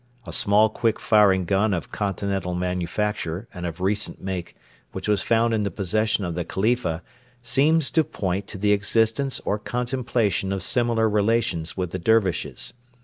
A small quick firing gun of continental manufacture and of recent make which was found in the possession of the Khalifa seems to point to the existence or contemplation of similar relations with the Dervishes.